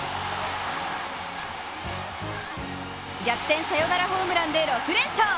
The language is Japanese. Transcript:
逆転サヨナラホームランで６連勝。